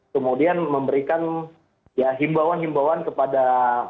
kemudian memberikan himbawan himbawan kepada